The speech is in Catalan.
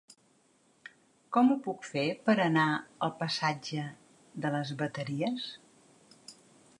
Com ho puc fer per anar al passatge de les Bateries?